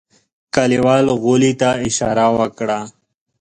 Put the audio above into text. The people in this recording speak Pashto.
کليوال غولي ته اشاره وکړه.